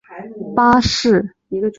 巴士来了就赶快上车